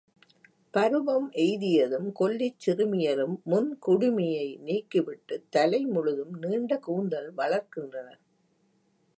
பருவம் எய்தியதும் கொல்லிச் சிறுமியரும் முன் குடுமியை நீக்கிவிட்டுத் தலை முழுதும் நீண்ட கூந்தல் வளர்க்கின்றனர்.